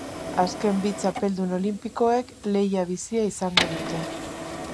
Azken bi txapeldun olinpikoek lehia bizia izango dute.